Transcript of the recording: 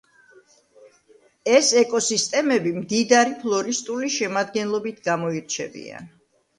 ეს ეკოსისტემები მდიდარი ფლორისტული შემადგენლობით გამოირჩევიან.